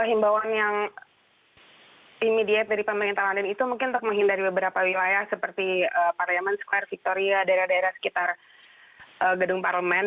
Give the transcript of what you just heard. himbauan yang imediate dari pemerintah london itu mungkin untuk menghindari beberapa wilayah seperti parliaman square victoria daerah daerah sekitar gedung parlemen